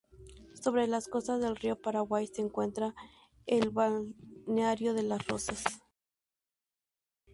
Sobre las costas del Río Paraguay se encuentra el balneario las Rosas.